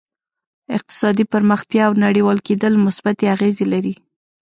اقتصادي پرمختیا او نړیوال کېدل مثبتې اغېزې لري